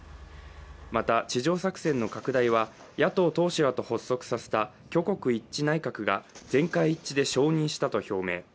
また地上作戦の拡大は野党党首らと発足させた挙国一致内閣が全会一致で承認したと表明。